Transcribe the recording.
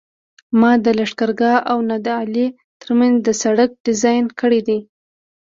ما د لښکرګاه او نادعلي ترمنځ د سرک ډیزاین کړی دی